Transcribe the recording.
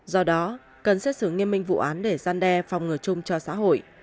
do đó cần xét xử nghiêm minh vụ án để gian đe phòng ngừa chung cho xã hội